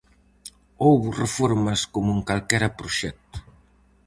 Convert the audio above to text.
Houbo reformas como en calquera proxecto.